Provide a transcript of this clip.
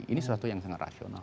ini sesuatu yang sangat rasional